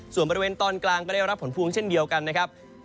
ส่วนบริเวณตอนกลางก็ได้รับผลพวงเช่นเดียวกันนะครับ